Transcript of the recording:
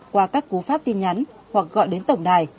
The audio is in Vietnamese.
qua các cú pháp tin nhắn hoặc gọi đến tổng đài